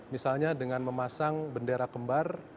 misalnya dengan memasang bendera kembar